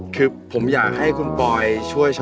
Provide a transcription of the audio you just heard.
เจ้ายังไงฮะ